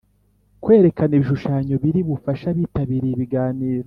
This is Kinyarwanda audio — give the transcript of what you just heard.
Kwerekana ibishushanyo biri bufashe abitabiriye ibiganiro